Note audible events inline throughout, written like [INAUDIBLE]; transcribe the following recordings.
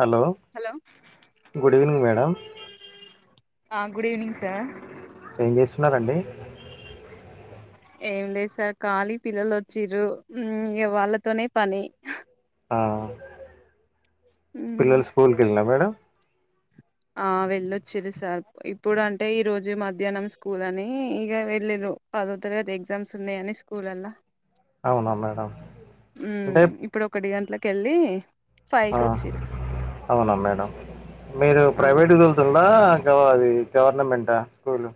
Hello hello good evening madam good evening sir ఏం చేస్తున్నారండి ఏం లేదు సార్ ఖాళీ పిల్లలు వచ్చ్ర వాళ్ళతోనే పని ఆ మ్మ్, పిల్లలు స్కూల్కి వెళ్ళినా మేడం వెళ్ళొచ్చిర సార్ ఇప్పుడు అంటే ఈరోజు మధ్యాహ్నం స్కూల్ అని ఇక వెళ్ళ్రు పదో తరగతి ఎగ్జామ్స్ ఉన్నా అని స్కూల్ల్లా అవునా మేడం ఉ అంటే ఇప్పుడు ఒకటి గంటలకుకి కళ్లి ఆ అవునా మ్మ్, మేడం మీరు ఆ ప్రైవేట్దులుతుందా ది గవర్నమెంట్ా స్కూల్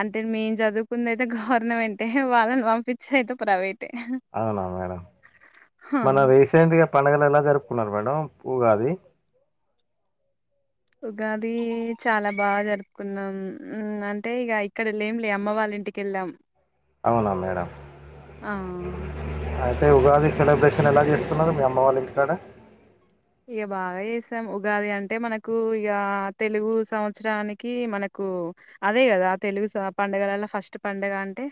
అంటే మేం చదువుకుంది అయితే గవర్నమెంటే వాళ్ళని పంపించి అయితే ప్రైవేట్ అవునా మేడం హా, మనం రీసెంట్ గా పండుగలు ఎలా జరుపు కున్నారు మేడం పువ్గా అది ఉగాది చాలా బాగా జరుపుకున్నాం అంటే ఇక ఇక్కడ లేం లే అమ్మ వాళ్ళ ఇంటికి వెళ్ళాం అవునా మేడం ఆ అంటే ఉగాది సెలబ్రేషన్ ఎలా చేసుకున్నారు మీ అమ్మ వాళ్ళ ఇంంటికాడ ఇక బాగా చేసాం ఉగాది అంటే మనకు ఇక తెలుగు సంవత్సరానికి మనకు అదే కదా ఆ తెలుగు పండుగలలో ఫస్ట్ పంండగ అంటే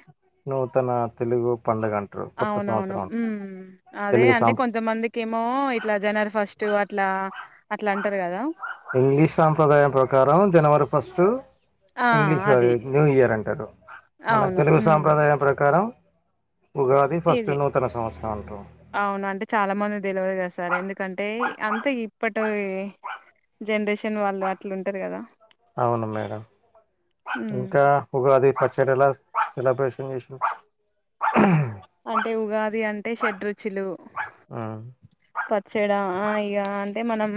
నూతన తెలుగు పండుగ అంటారు కొత్త అవునవును సంవత్సరం అంటారు అదే తెలుగు అంటే సాంప్ర కొంతమందికి ఏమో ఇట్లా జనరి ఫస్ట్ టు అట్లా అట్లా అంటారు కదా ఇంగ్లీష్ సాంప్రదాయం ప్రకారం జనవరి ఫస్ట్ ఆ ఇంగ్లీష్ రాది అది న్యూ ఇయర్ అంటారు మన అవును తెలుగు ఉమ్ సాంప్రదాయం ప్రకారం ఉగాది ఫస్ట్ ఇది నూతన సంవత్సరం అంటాం అవును అంటే చాలా మంది తెలివరి చేస్తారు ఎందుకు ఎ కంటే అంతే ఇప్పటి జనరేషన్ వాళ్ళు అట్లు ఉంటారు కదా అవును మేడం ఉమ్ ఇంకా ఉది పచ్చడిలా సెలబ్రేషన్ చే అంటే ఉగాది అంటే షడ రుచులు ఆ చ్చడా ఇక అంటే మనం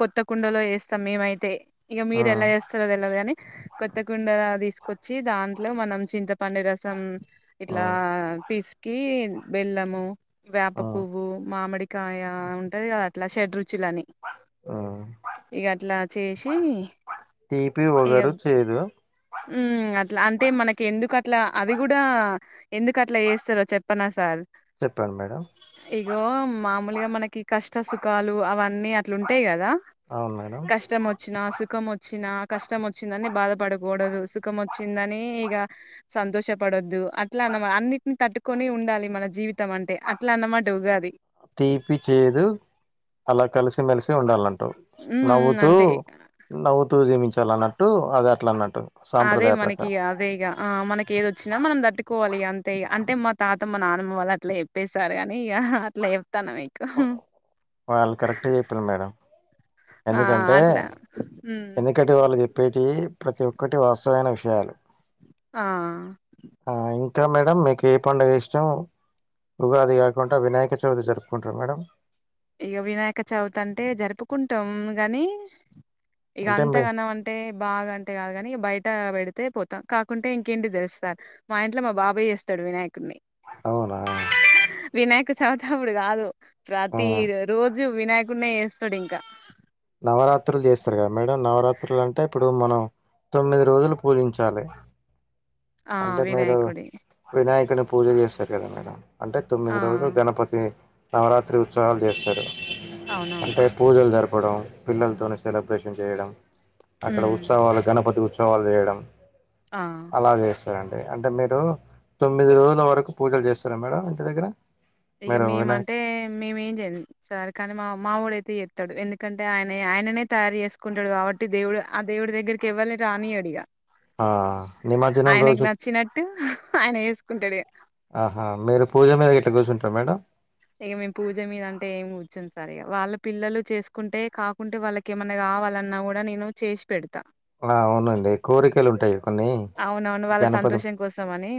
కొత్త కుండలో వేస్తాం మేమైతే ఇక మీర ఎలా చేేస్తారుద ఎలాగానీ కొత్త కుండ ద తీసుకొచ్చి దాంట్లో మనం చింత పండు రా సమ్ ఇట్లా పీస్ కి వెెళ్ళము వేప పువ్వు మామిడి కాయ ఉంటది కదా అట్లా షడ రుచులని ఆ ఇగట్లా అ చేసి తీపి ఒగరు చేదు ఉ అట్లా అంటే మనకి ఎందుకు అట్లా అది కూడా ఎందుకు అట్లా చేస్తారో చెప్పనా సార్ చెప్పడి మేడం ఇగో మామూలుగా మనకి కష్ట సుఖాలు అవన్నీ అట్లుంటాయి కదా అవును మేడం కష్టం వచీన అ సుఖం వచ్చు వచ్చినా కష్టం వచ్చిందని బాధపడ కడదు సుఖం వచ్చిందని ఇక సంతోషపడద్దు అట్లా అన్నమా అన్నిటిని తట్టుకొని ఉండాలి మన జీవితం అంటే అట్లా అన్నమాట ఉగాది. తీపి చేదు అలా కలిసి మలిసి ఉండాలంట ఉమ్ ఉమ్ నవ్వుతూ అంతే నవ్వుతూ జీవించ చలా అన్నట్టు అది అట్లా అన్నట్ట అదే మనకిక అదే ఇక ఆ మనకి వచ్చినా మనం దట్టుకోవాలి అంతే అంటే మా తాత మా నానమ్మ వాళ్ళు అట్లా చెప్పేశారు గానీ అట్లా చెప్తాన్న మీకు వాళ్ళు కరెక్ట్గా చెప్పను మేడం ఆ ఎందుకంటే అట్లా ఉమ్ ఎనుకంటే వాళ్ళు చెప్పేటి ప్రతి ఒక్కటి వాస్తవైన విషయాలు ఆ ఆ ఇంకా మేడం మీకు ఏ పండుగ ఇష్టం ఉగాది కాకుండా వినాయక చవితి జరుపుకుంటార మేడం ఇగ వినాయక చవితి అంటే జరుపుకుంటాం గాని ఇగ అంటే అంత మీ కనం అంటే బాగా అంటే కాదు కాని బయట తే పోతాం కాకుంటే ఇంకేంటి తెలుస్తారు మా ఇంట్లో మా బాబాయ్య చేస్తాడు వినాయకుని అవునా! వినాయక చితపుడుకదు గా ఆ! తీరు రోజు వినాయకుడినే చేస్తాడు ఇంకా నవరాత్రులు చేస్తారు కదా మేడం నవరాత్రులు అంటే ఇప్పుడు మనం తొమ్మిది రోజులు పూజించాలి ఆ అంటే మీరు వినాయకుడి వినాయకుని పూజ చేస్తారు గాదా మేడం అంటే ఆ తొమ్మిది రోజులు గణపతి నవరాత్రి ఉత్సవాలు చేస్తారు అవునవును అంటే పూజలు జరు పడం పిల్లలతో సెలబ్రేషన్ చేయడం అక్కడ ఉమ్ ఉత్సవాల గణపతి ఉత్సవ తోవాలు చేయడం ఆ సరే అండి అంటే మీరు తొమ్మిది రోజుల వరకు పూజలు చేస్తారా మేడం ఇంటి దగ్గర ఇక మీరు మేమ వినాయక్ అంటే మేము చేయం సార్ కానీ మా మావడయితే చెత్తాడు ఎందుకంటే ఆయన ఆయననే తయారు చేసుకుంటాడు కాబట్టి దేవుడు ఆ దేవుడి దగ్గరికి ఎవ్వారిని రానియాడు ఇగ ఆ నిమజ్జనం ఆయనకి రోజు నచ్చినట్టు ఆయన చేసుకుంటాడు ఇగ ఆహా మీరు పూజ మీద గిట్ట కూర్చుంట ట మేడం ఇక మేము పూజ మీద అంటే ఏమి కుచ్చోం సార్ ఇగ వాళ్ళ పిల్లలు చేసుకుంటే కాకుంటే వాళ్ళకి ఏమన్నా కావాలన్నా కూడా నేను చేసి పెడతా ఆ అవునండి కోరికలు ఉంటాయి కొన్ని అవునవును వాళ్ళ గణపతి సంతోషం కోసం అని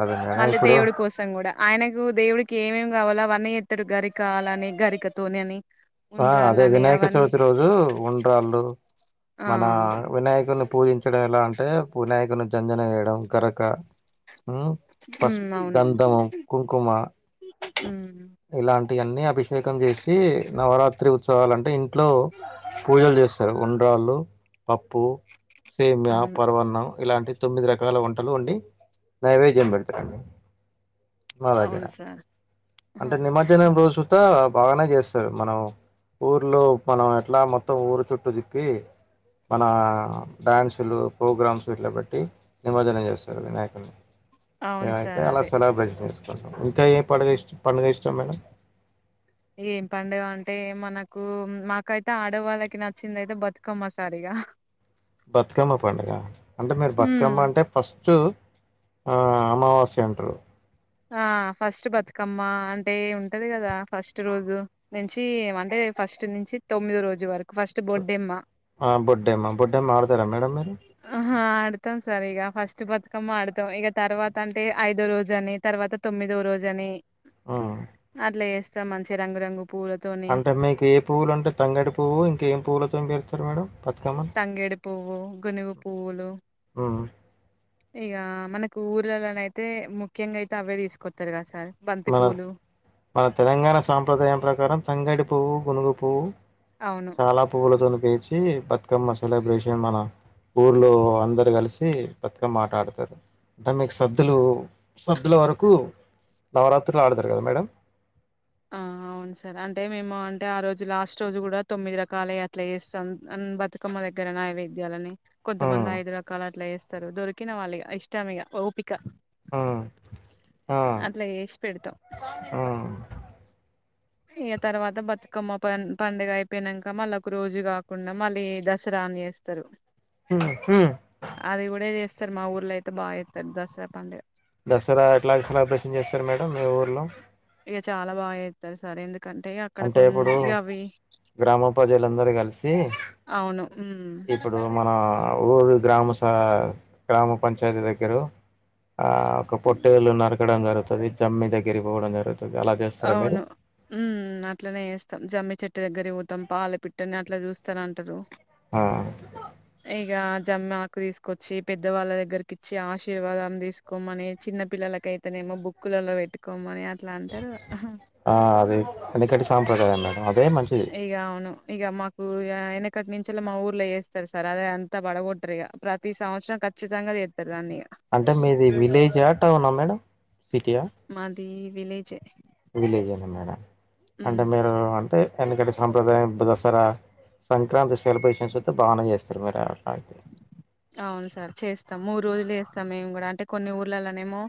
అదే మేడం మళ్ళీ ఇప్పుడు దేవుడి కోసం కూడా ఆయనకు దేవుడికి ఏమేమి గవల్ల అన్నీ చెత్తారు గరికాల అని గరికతోని అని ఆ అదే ఉండ్రాళ్ళని వినాయక అవన్నీ చవితి రోజు ఉండ్రాళ్ళు ఆ మన వినాయకుని పూజించడం ఎలా అంటే పూనాయకుని జంజన వేయడం గరక ఉ ఉమ్ పసుపు అవును గంధము కుంకుమ ఉమ్ ఇలాంటి ఈ అన్ని అభిషేకం చేసి నవరాత్రి ఉత్సవలు అంటే ఇ ఇంట్లో పూజలు చేస్తారు ఉ రాళ్ళు పప్పు సేమ్యా, అవును పరమాన్నం ఇలాంటి తొమ్మిది రకాల వంటలు వండి నైవేద్యం పెడతరు మా దగ్గర అవును సార్ ఆహా. అంటే నిమజ్జనం రోజుత బాగానే చేస్త టార్ మనం ఊర్లో మనం ఎట్లా మొత్తం ఊరు చుట్టూ తిప్పి మన డ్యాన్సులు ప్రోగ్రామ్స్ ఇట్లా బట్టి నిమజ్జనం చేస్తారు వినాయకుని అవును నేను అయితే సార్ అలా అదే సెలబ్రేట్ చేసుకు ఇంకా ఏం పడుగ ఇష్ట పండుగ ఇష్టం మేడం ఏం పండుగ అంటే మనకు మాకైతే ఆడవాళ్ళకి నచ్చింది అయితే బతుకమ్మ సార్ ఇగ బతుకమ్మ పండుగ అంటే మీరు ఉమ్ బతుకమ్మ అంటే ఫస్ట్ ఆ అమావాస్య అంటారు ఆ ఫస్ట్ బతుకమ్మ అంటే ఉంటది కదా ఫస్ట్ రోజు నుంచి ఏమంటే ఫస్ట్ నుంచి తొమ్మిది రోజు వరకు ఫస్ట్ బొడ్డెమ్మ ఆ బొడ్డెమ్మ బొడ్డెమ్మ ఆడతారా మేడం మీరు ఆహా ఆడతాం సార్ ఇగ చ్చు బతుకమ్మ ఆడతాం ఇగా తర్వాత అంటే ఐదో రోజు అనే తర్వాత తొమ్మిదో రోజు అని ఉమ్. అట్లా చేస్తా మంచి రంగురంగు పూలతోని అంటే మీకు ఏ పువ్వులు అంటే తంగడి పువ్వు ఇంకేం పుల్లతో పెరుం [UNINTELLIGIBLE] మేడం బతుకమ్మని తంగేడి పువ్వు గునుగు పువ్వులు ఇక మనకు ఊర్లలోనయితే ముఖ్యంగా అయితే అవే తీసుకొస్తారు కదా సార్ బంతి మన పూలు మన తెలంగాణ సాంప్రదాయం ప్రకారం తంగడి పువ్వు గునుగు పువ్వు అవును చాలా పువ్వులతో పేర్చి బతుకమ్మ సెలబ్రేషన్ మన ఊర్లో అందరు కలిసి బతుకమ్మ ఆట ఆడుతారు మరి మీకు సద్దులు సద్దుల వరకు నవరాత్రులో ఆడతరు కదా మేడం ఆ అవును సార్ అంటే మేము అంటే ఆ రోజు లాస్ట్ రోజు కూడా తొమ్మిది రకాల ఎట్లా చేస్తాం బతుకమ్మ దగ్గర నైవేద్యాలని కొంతమంది ఉమ్. ఐదు రకాల అట్లా చేస్త దొరికిన వాళ్లు ఇగ ఇష్టం ఇగ ఊప ఆ ఆ అట్లా చేసి పెడతాం. ఆ ఇక తర్వాత బతుకమ్మ పండుగ అయిపోయినాక మళ్ళ ఒక రోజు కాకుండా మళ్ళీ దసరా అని చేస్తారు ఉ సార్ మా ఊర్లో అయితే బాగా ఇస్తారు దసరా పంండగ దసరా ఎట్లాగ సెలబ్రేషన్ చేస్తారు మేడం మీ ఊర్లో ఇగ చాలా బాగా చేస్తారు సార్ ఎందుకు అంటే ఇప్పుడు గ్రామ ప్రజలందరూ కలిసి అవును. హ్మ్. ఇప్పుడు మన ఊరు గ్రామ స గ్రామ పంచాతీ దగ్గరు ఆ ఒక పొట్టేలుు నరకడం జరుగు అది జమ్మి దగ్గర పోవడం జరు ఎలా చేస్తార మీర అవును. హ్మ్. అట్లనే చేస్తాం జమ్మి చెట్టు దగ్గర పోతాం పాల పిట్టని అట్లా చూస్తరు అంటారు ఆ జమ్మకు తీసుకొచ్చి పెద్ద వాళ్ళ దగ్గరకి ఇచ్చి ఆశీర్వాదం తీసుకోమని చిన్న పిల్లలక అయితేనేమో బుక్కులలో పెట్టుకోమని అట్లాంటి ఆ అదే ఎనకటి సాప్రదాయం మేడం అదే మంచి ఇగ అవును ఇక మాకు ఎనకటి నుంచలు మా ఊర్లో వస్తారు సార్ అదే అంతా బడగొట్టారు ఇక ప్రతి సంవత్సరం ఖచ్చితంగాేస్తారు అంటే మీది విలేజ్ ఆ టౌన్ ఆ మేడం సిటీయా ఈ విలేజ్జే విలేజ్ అనా మేడం అంటే మీరు అంటే ఎన్నికంట సాంప్రదాయంు [UNINTELLIGIBLE] సర సంక్రాంతి సెలబ్రేషన్స్ అతే బాగానే చేస్తారు మీరు అట్లా అయితే అవును సార్ చేస్తాం మూడు రోజులు చేస్తాం మేం కూడా అంటే కొన్ని ఊర్లలోనేమో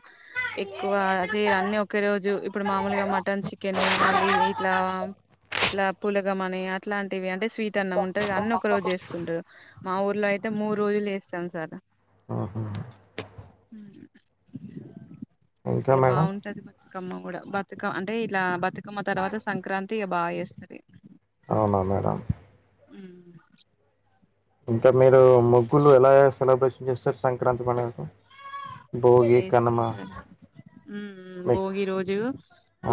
ఎక్కువ చేయరు అన్ని ఒకే రోజు ఇప్పుడు మామూలుగా మటన్ చికెన్ మళ్ళీ ఇట్లా [INAUDIBLE] స్వీట్ అన్నం ఉంటదిగ అన్ని ఒక రోజు చేస్కుంటారు మా ఊర్లో ఐతె ము రోజులు ఏస్తాం సార్ ఆహా అ ఇంకా ఏ మేడం బాంటది త్కమ్మ గుడా బతుక అంటే ఇట్ల బతు మ్మ తర్వాత సంక్రాంతి ఎ బా చేస్తరిం ఔనా మేడం ఇంక మీరు ముగ్గులు ఎలాఎ సెలబ్రేషన్ జేస్తరు సంక్రాంతి పండగకు ఏస్తాం సర్ ఉమ్ మీ భోగి రోజు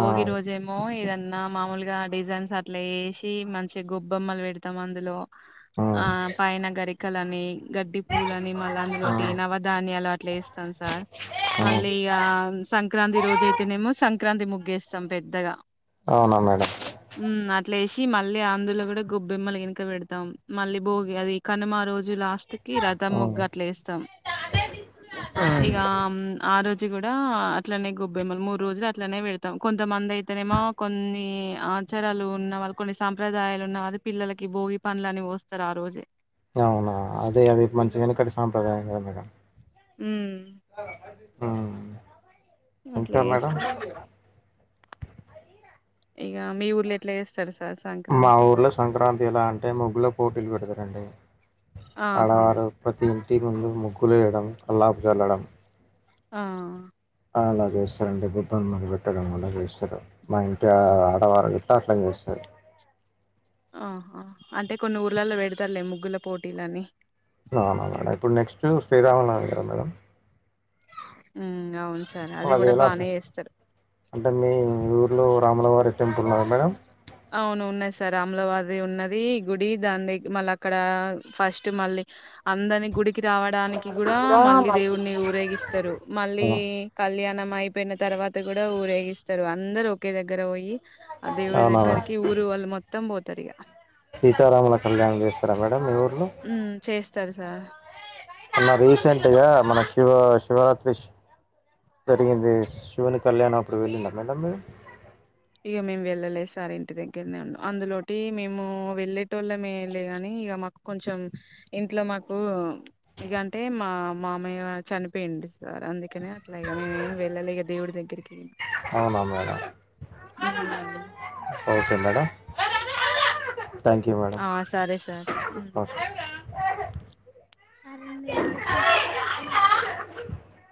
ఆ రోజేమో ఏదన్ న్న మామూలుగా డిజైన్స్ అట్లా ఏశి మంచిగ్ గొబ్బొమ్మలు పెడ్తాం అందులో ఆ పయైనగరిక్ కలనీ గడ్డి పూలని మళ్ళా ఆ అందులోటి నవధాన్యాలా ట్లేస్ సంసార్ మళ్ళీగా సంక్రాంతి రోజైతేనేమో స సంక్రాంతి ముగ్గేస్తం పెద్దగా ఔన మేడం అట్లేశి మళ్ళీ అందులో గుడ గొబ్బెమ్మలు గిన్క పెడ్తాం మళ్ళీ భోగి అది కాన్మా రోజ్ జు లాస్ట్ కి రథం హ్మ్. ముగ్గట్ల ఏస్తం ఇగా ఆరోజ్ గుడా అట్లనే గొబ్బెమ్మ మూడు రోజ్లు అట్లనే పెడ్తాం కొంతమంది ఐతేనేమో కొన్ని ఆచారాలున్న వాళ్ కొన్ని సాంప్రదాయాలు ఉన్న అది పిల్లలకి భోగి పన్లని పోస్తరారోజే ఔనా అదే అది మంచిగా ఎనుకటి సాంప్రదాయం గ ఉమ్ ఆ ఇంక మేడం చేస్తారు. ఇగ మీ ఊర్ల ఎట్ల ఏస్తరు స్ మా ఊర్లో సంక్రాంతి ఎలా అంటే ముగ్గులప్ పోటీలు పెడ్తరండి అడ ఆహా! అరు ప్రతి టి ముందు ముగ్ క్ కులేయడం అల్లాపుజల్లడం ఆ అలా చేస్తారండి గుుబ్బని మర పెట్టడం అలా చేస్తారు మా ఇంటి ఆడవారు గలా అట్లా చేస్తారు ఆహా అంటే కొన్ని ఊర్లల్లో పెడతలే ముగ్గుల పోటీలని నా మేడం ఇప్పుడు నెక్స్ట్ స్టే రాామన్నాంటా మేడం ఉ అవును సార్. అది గూడా అదేదా బానే సార్ చేస్తారు. అంటే మీ ఊర్లో తమ్లవారి అవును ఉన్నాయి సార్ అ అమ్లావాది ఉన్నది ఈ గుడి దాని మళ్ళీ అక్కడ ఫస్ట్ మళ్ళీ అందరిని గుడికి రావడానికి కి కూడా మళ్ళీ దేవుడిని ఊరేగిస్తారు మళ్ళీ కళ్యాణం అయిపోయిన తర్వాత కూడా ఊరేగిస్తారు అందరు ఒకే దగ్గర పోయి ఆ దేవుడి అవునా దగ్గరికి ఊరు వాళ్ళు మొత్తం పోతు సరిగా సీతారామల కళ్యాణ్ దేస్తార మేడమ్ ఇవరు ఉ చేస్తారు సార్ మొన్న రీసెంట్గా మన శివ శివరాత్రి జరిగింది శివుని కళ్యాణం అప్పుడు వెళ్ళింది మేడమ్ మీరు ఇక మేము వెళ్ళలేదు సార్ ఇంటి దగ్గరనే ఉం అందులోటి మేము వెళ్ళేటోళ్ళమే లే ని ఇక మాకు కొంచెం ఇంట్లో మాకు ఇక అంటే మా మామయ్య చనిపోయిండు సార్ అందుకే అలాగ మేేం వెళ్ళాల దేవుడు దగ్గరకి అవున మేడమ్ ఉమ్ okay madam thank you madam ఆ సరే సార్ ఓకే సరే [UNINTELLIGIBLE]